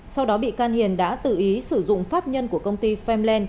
sau đó bị can hiền đã tự ý sử dụng pháp nhân của công ty freeland